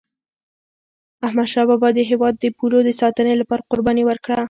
احمدشاه بابا د هیواد د پولو د ساتني لپاره قرباني ورکړه.